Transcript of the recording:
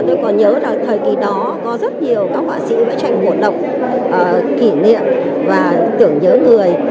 tôi còn nhớ là thời kỳ đó có rất nhiều các họa sĩ vẽ tranh ngột đọc kỷ niệm và tưởng nhớ người